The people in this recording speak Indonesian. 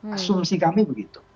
asumsi kami begitu